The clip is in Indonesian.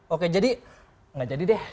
oke jadi gak jadi deh